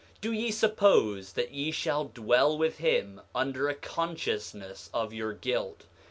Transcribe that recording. Do ye suppose that ye shall dwell with him under a consciousness of your guilt?